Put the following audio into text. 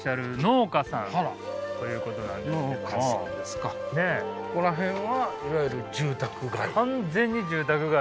ここら辺はいわゆる住宅街。